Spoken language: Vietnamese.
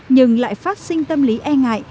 nhưng lại phát sinh tâm lý e ngại